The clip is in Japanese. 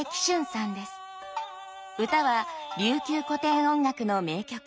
唄は琉球古典音楽の名曲